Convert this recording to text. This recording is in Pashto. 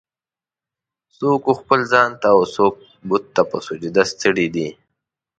"څوک و خپل ځان ته اوڅوک بت ته په سجده ستړی دی.